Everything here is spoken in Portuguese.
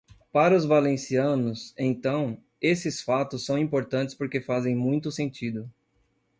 Para os valencianos, então, esses fatos são importantes porque fazem muito sentido.